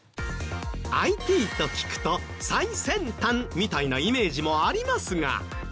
ＩＴと聞くと最先端みたいなイメージもありますが。